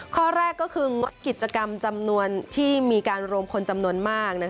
ข้อแรกก็คืองดกิจกรรมจำนวนที่มีการรวมคนจำนวนมาก